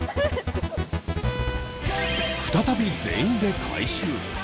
再び全員で回収。